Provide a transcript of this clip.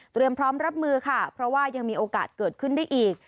พร้อมรับมือค่ะเพราะว่ายังมีโอกาสเกิดขึ้นได้อีก